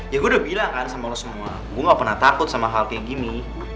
ya gue udah bilang kan sama lo semua gue gak pernah takut sama hal kayak gini